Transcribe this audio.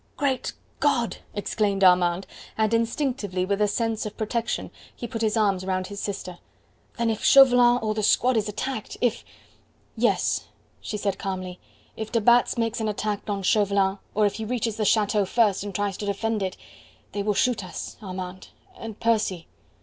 "Great God!" exclaimed Armand, and instinctively, with a sense of protection, he put his arms round his sister. "Then, if Chauvelin or the squad is attacked if " "Yes," she said calmly; "if de Batz makes an attack on Chauvelin, or if he reaches the chateau first and tries to defend it, they will shoot us... Armand, and Percy."